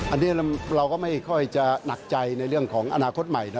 อันนี้เราก็ไม่ค่อยจะหนักใจในเรื่องของอนาคตใหม่